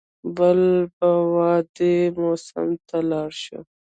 بل به وادي موسی ته لاړ شو.